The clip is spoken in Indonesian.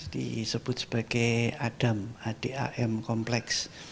disebut sebagai adam a d a m kompleks